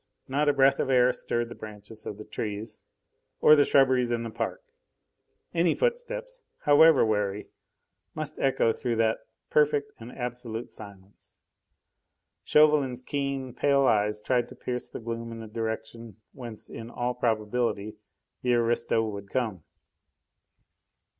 Not a breath of air stirred the branches of the trees or the shrubberies in the park; any footsteps, however wary, must echo through that perfect and absolute silence. Chauvelin's keen, pale eyes tried to pierce the gloom in the direction whence in all probability the aristo would come.